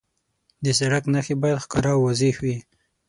د سړک نښې باید ښکاره او واضح وي.